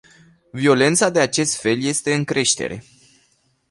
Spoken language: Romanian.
Violența de acest fel este în creștere.